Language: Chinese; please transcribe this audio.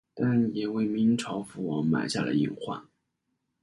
但也为明朝覆亡埋下了隐患。